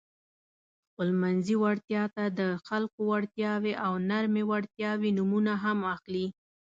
خپلمنځي وړتیا ته د خلکو وړتیاوې او نرمې وړتیاوې نومونه هم اخلي.